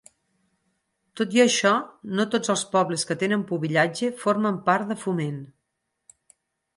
Tot i això, no tots els pobles que tenen pubillatge formen part de Foment.